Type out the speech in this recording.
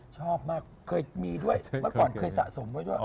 ชอบมากเคยมีด้วยเมื่อก่อนเคยสะสมไว้ด้วย